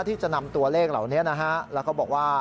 ที่จะนำตัวเลขเหล่านี้นะฮะแล้วเขาบอกว่า